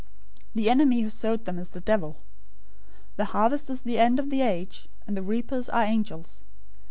013:039 The enemy who sowed them is the devil. The harvest is the end of the age, and the reapers are angels.